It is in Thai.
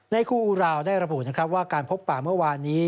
ครูอุราวได้ระบุนะครับว่าการพบป่าเมื่อวานนี้